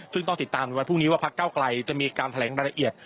ซึ่งต้องติดตามในวันพรุ่งนี้ว่าพักเก้าไกลจะมีการแถลงรายละเอียด